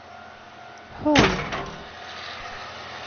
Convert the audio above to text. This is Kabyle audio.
Ḥun.